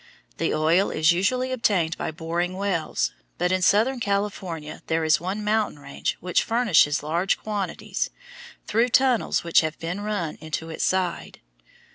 The oil is usually obtained by boring wells, but in southern California there is one mountain range which furnishes large quantities through tunnels which have been run into its side.